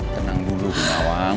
tenang dulu bu nawang